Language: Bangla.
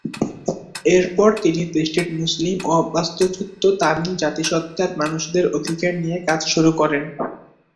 এরপর তিনি দেশটির মুসলিম ও বাস্তুচ্যুত তামিল জাতিসত্তার মানুষদের অধিকার নিয়ে কাজ শুরু করেন।